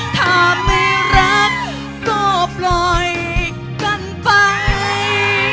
ถ้าไม่รักก็ปล่อยกันไป